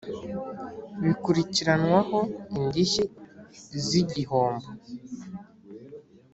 bikurikiranwaho indishyi z igihombo